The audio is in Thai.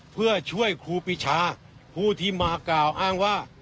เพื่อช่วยครูปีชาผู้ที่มากล่าวอ้างว่า